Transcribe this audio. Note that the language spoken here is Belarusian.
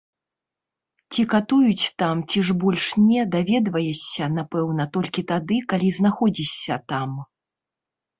Ці катуюць там ці ж больш не, даведваешся напэўна толькі тады, калі знаходзішся там.